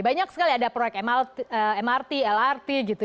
banyak sekali ada proyek mrt lrt gitu